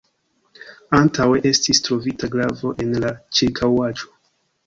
Antaŭe estis trovita glavo en la ĉirkaŭaĵo.